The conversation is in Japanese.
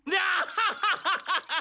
ハハハハハ！